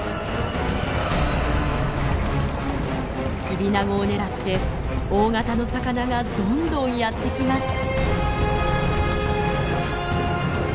キビナゴを狙って大型の魚がどんどんやって来ます。